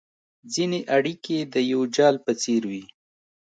ځیني اړیکي د یو جال په څېر وي